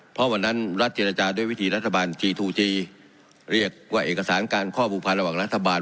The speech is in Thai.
เพราะวันนั้นรัฐเจรจาด้วยวิธีรัฐบาลจีทูจีเรียกว่าเอกสารการข้อผูกพันระหว่างรัฐบาล